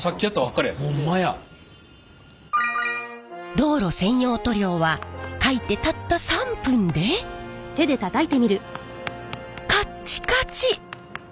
道路専用塗料はかいてたった３分でカッチカチ！